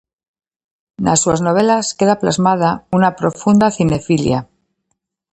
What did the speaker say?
Nas súas novelas queda plasmada unha profunda cinefilia.